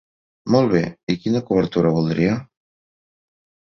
Molt bé, i quina cobertura voldria?